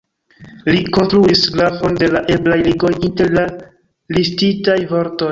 Li konstruis grafon de la eblaj ligoj inter la listitaj vortoj.